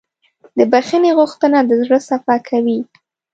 د بښنې غوښتنه د زړه صفا کوي.